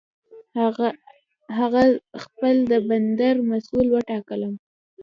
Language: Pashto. هغه زه خپل د بندر مسؤل وټاکلم.